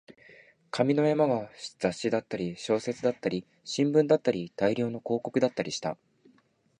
紙の山は雑誌だったり、小説だったり、新聞だったり、大量の広告だったりした